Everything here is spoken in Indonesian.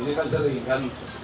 ini kan sering kan